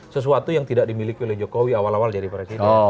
sesuatu yang tidak dimiliki oleh jokowi awal awal jadi presiden